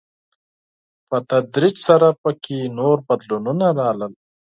په تدريج سره په کې نور بدلونونه راغلل.